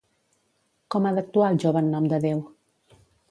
Com ha d'actuar el jove en nom de déu?